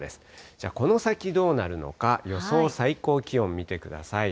じゃあこの先どうなるのか、予想最高気温見てください。